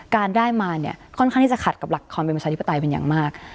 การได้มาเนี่ยค่อนข้างที่จะขัดกับหลักความเป็นประชาธิปไตยเป็นอย่างมาก